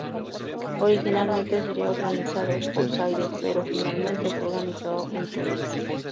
Originalmente sería organizado por Zaire pero finalmente fue organizado en Túnez.